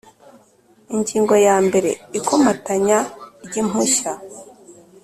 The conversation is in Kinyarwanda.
Ingingo ya mbere Ikomatanya ry impushya